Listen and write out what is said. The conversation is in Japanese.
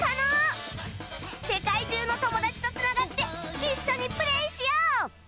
世界中の友達と繋がって一緒にプレーしよう！